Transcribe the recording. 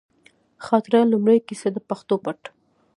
خاطره، لومړۍ کیسه ، د پښتو پت